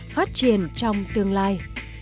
phát triển trong tương lai